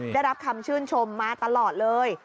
ได้รับคำชื่นชมมาตลอดเลย